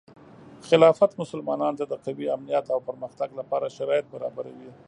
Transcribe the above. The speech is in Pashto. خلافت مسلمانانو ته د قوي امنیت او پرمختګ لپاره شرایط برابروي.